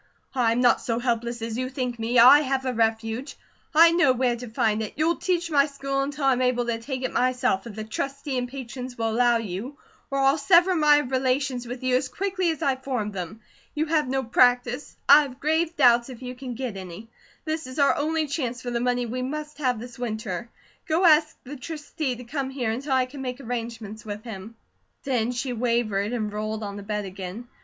I'm not so helpless as you think me. I have a refuge. I know where to find it. You'll teach my school until I'm able to take it myself, if the Trustee and patrons will allow you, or I'll sever my relations with you as quickly as I formed them. You have no practice; I have grave doubts if you can get any; this is our only chance for the money we must have this winter. Go ask the Trustee to come here until I can make arrangements with him." Then she wavered and rolled on the bed again.